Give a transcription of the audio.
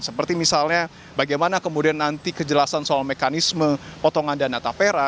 seperti misalnya bagaimana kemudian nanti kejelasan soal mekanisme potongan dana tapera